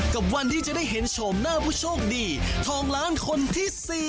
กับวันที่จะได้เห็นโฉมหน้าผู้โชคดีทองล้านคนที่๔